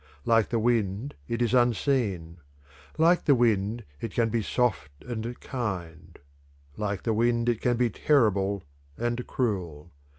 Like the wind it is unseen; like the wind it can be soft and kind; like the wind it can be terrible and cruel.